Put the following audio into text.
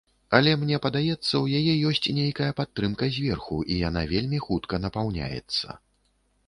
Але мне падаецца, у яе ёсць нейкая падтрымка зверху, і яна вельмі хутка напаўняецца.